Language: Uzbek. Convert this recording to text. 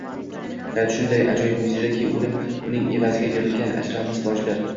Hayot shunday ajoyib mo``jizaki, o`lim uning evaziga berilgan arzimas bojdir